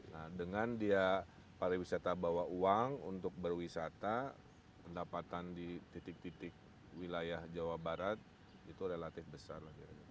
nah dengan dia pariwisata bawa uang untuk berwisata pendapatan di titik titik wilayah jawa barat itu relatif besar